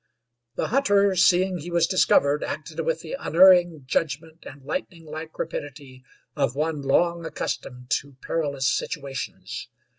The hunter, seeing he was discovered, acted with the unerring judgment and lightning like rapidity of one long accustomed to perilous situations.